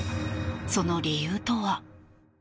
その理由とは。